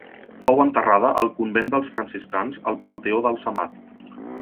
Fou enterrada al convent dels franciscans al panteó dels Amat.